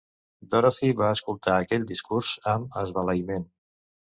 Dorothy va escoltar aquell discurs amb esbalaïment.